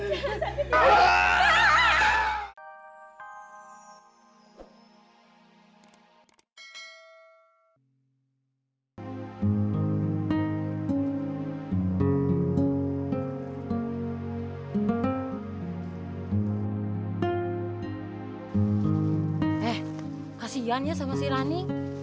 eh kasihan ya sama si rani